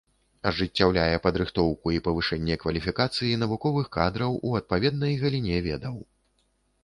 Ажыццяўляе падрыхтоўку і павышэнне кваліфікацыі навуковых кадраў у адпаведнай галіне ведаў.